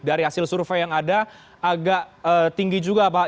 dari hasil survei yang ada agak tinggi juga pak